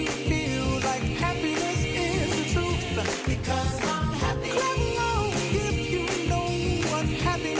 สวัสดีครับสวัสดีครับ